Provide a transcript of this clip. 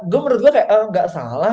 gue menurut gue kayak gak salah